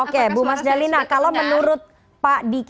oke bu mas jalina kalau menurut pak dik